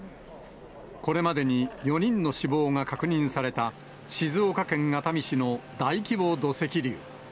これまでに４人の死亡が確認された、静岡県熱海市の大規模土石流。